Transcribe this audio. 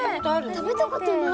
食べたことない。